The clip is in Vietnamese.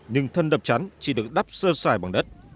nhưng thân đập chắn chỉ được đắp sơ xài bằng đất